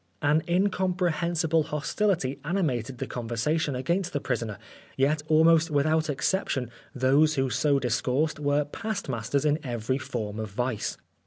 An in comprehensible hostility animated the con versation against the prisoner, yet almost without exception those who so discoursed were past masters in every form of vice.